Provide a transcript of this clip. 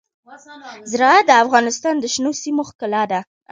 زراعت د افغانستان د شنو سیمو ښکلا ده.